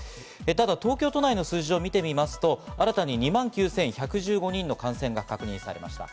ただ東京都内の数字を見てみますと、新たに２万９１１５人の感染が確認されました。